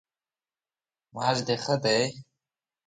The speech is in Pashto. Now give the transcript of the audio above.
معاش د ښه دی؟